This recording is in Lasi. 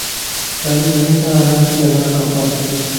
گاڏي ھيمشا آرام سين ھلاڻ کپ